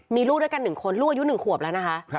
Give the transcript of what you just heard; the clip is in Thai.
มีลูกด้วยกัน๑คนลูกอายุ๑ขวบแล้วนะคะ